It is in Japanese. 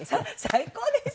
最高ですね。